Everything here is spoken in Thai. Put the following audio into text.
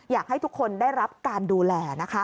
อยากให้ทุกคนได้รับการดูแลนะคะ